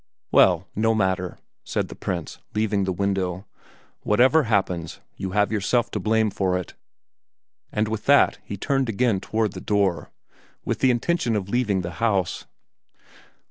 "Well, no matter," said the Prince, leaving the window; "whatever happens, you have yourself to blame for it;" and with that he turned again toward the door with the intention of leaving the house.